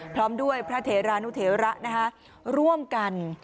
พร้อมด้วยพระเถรานุเถระร่วมกัน